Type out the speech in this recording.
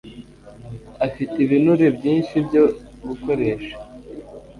afite ibinure byinshi byo gukoresha